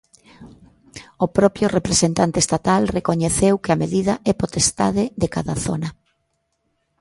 O propio representante estatal recoñeceu que a medida é potestade de cada zona.